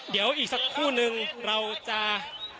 เดี๋ยวอีกสักครู่นึงเราจะ